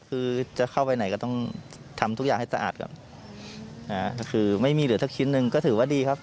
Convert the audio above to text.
คือจะเข้าไปไหนก็ต้องทำทุกอย่างให้สะอาดก่อนอ่าก็คือไม่มีเหลือสักชิ้นหนึ่งก็ถือว่าดีครับ